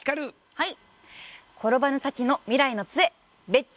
はい。